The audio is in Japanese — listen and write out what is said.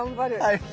はい。